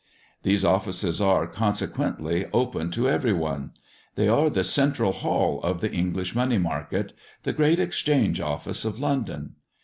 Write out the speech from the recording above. These offices are, consequently open to every one; they are the central hall of the English money market, the great exchange office of London.